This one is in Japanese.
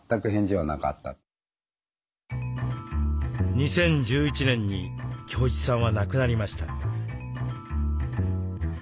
２０１１年に京一さんは亡くなりました。